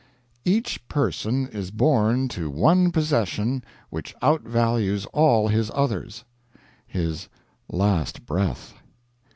Each person is born to one possession which outvalues all his others his last breath.